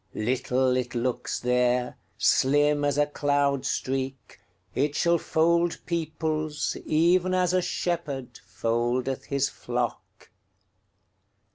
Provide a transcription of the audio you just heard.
Little it looks there, Slim as a cloud streak; It shall fold peoplesEven as a shepherdFoldeth his flock.